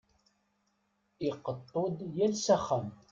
Iqeṭṭu-d yal s axxam.